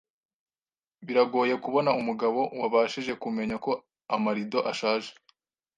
Biragoye kubona umugabo wabashije kumenya ko amarido ashaje,